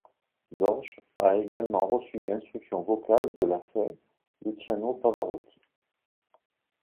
Dorje a également reçu instruction vocale de la fin Luciano Pavarotti.